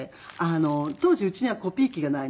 当時うちにはコピー機がないので。